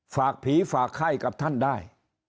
ฝากผีฝากไข้กับท่านได้